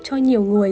cho nhiều người